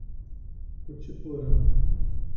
Cotiporã